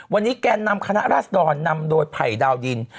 วันนี้แกนนำคณะราษดรนำโดยไผ่ดาวดิน